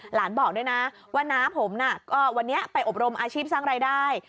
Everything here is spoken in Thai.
บอกด้วยนะว่าน้าผมก็วันนี้ไปอบรมอาชีพสร้างรายได้